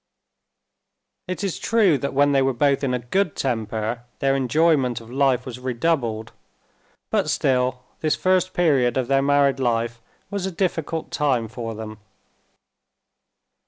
It is true that when they were both in a good temper their enjoyment of life was redoubled. But still this first period of their married life was a difficult time for them.